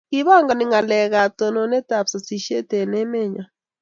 Kipangani ngalalet ab tononet ab sasishet eng emennyo